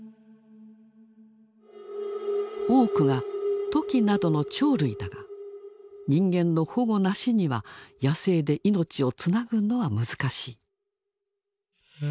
多くがトキなどの鳥類だが人間の保護なしには野生で命をつなぐのは難しい。